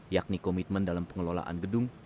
yakni komitmen dalam pengelolaan gedung